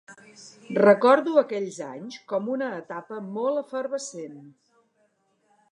Recordo aquells anys com una etapa molt efervescent.